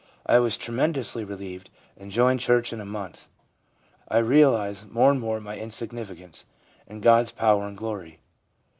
I was tremendously relieved, and joined church in a month. I realise more and more my insignificance, and God's power and glory.'